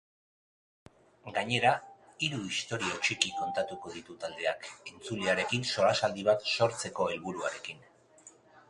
Gainera, hiru istorio txiki kontatuko ditu taldeak entzulearekin solasaldi bat sortzeko helburuarekin.